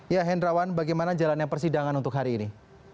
ya hendrawan bagaimana jalannya persidangan untuk hari ini